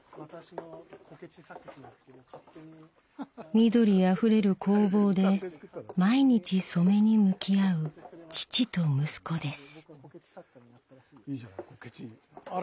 緑あふれる工房で毎日染めに向き合う父と息子です。